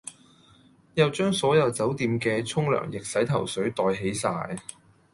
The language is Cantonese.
又將所有酒店既沖涼液洗頭水袋起哂